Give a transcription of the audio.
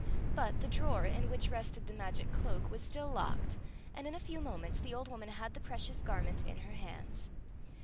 But the drawer in which rested the magic cloak was still locked, and in a few mo n^ts the old vmmsai had the {»recious garment in her hftnds.